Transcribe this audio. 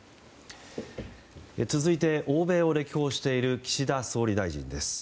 続いて欧米を歴訪している岸田総理大臣です。